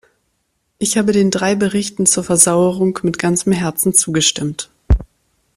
Ich habe den drei Berichten zur Versauerung mit ganzem Herzen zugestimmt.